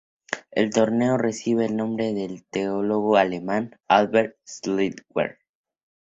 El torneo recibe el nombre del teólogo alemán Albert Schweitzer.